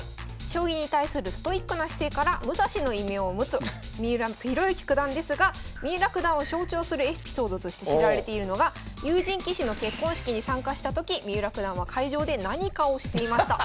将棋に対するストイックな姿勢から武蔵の異名を持つ三浦弘行九段ですが三浦九段を象徴するエピソードとして知られているのが友人棋士の結婚式に参加したとき三浦九段は会場で何かをしていました。